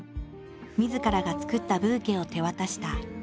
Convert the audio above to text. みずからが作ったブーケを手渡した。